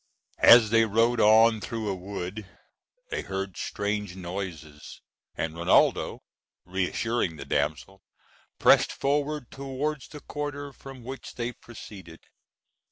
As they rode on through a wood, they heard strange noises, and Rinaldo, reassuring the damsel, pressed forward towards the quarter from which they proceeded.